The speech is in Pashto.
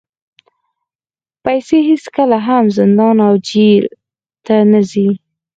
پیسې هېڅکله هم زندان او جېل ته نه ځي.